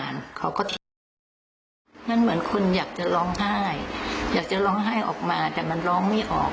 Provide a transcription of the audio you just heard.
มันเหมือนคุณอยากจะร้องไห้อยากจะร้องไห้ออกมาแต่มันร้องไม่ออก